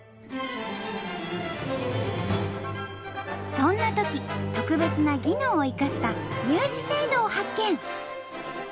そんなとき特別な技能を生かした入試制度を発見！